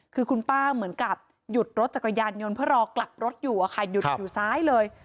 คือคุณป้าเหมือนกับหยุดรถจักรยานยนต์เพื่อรอกลับรถอยู่อะค่ะหยุดอยู่ซ้ายเลย